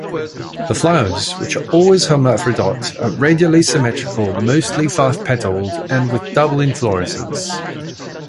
The flowers, which are always hermaphrodite, are radially symmetrical, mostly five-petaled and with double inflorescence.